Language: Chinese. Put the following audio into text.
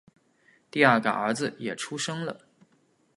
第二个儿子也出生了